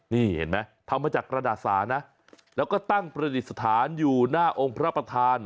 นี่เห็นไหมทำมาจากกระดาษสานะแล้วก็ตั้งประดิษฐานอยู่หน้าองค์พระประธาน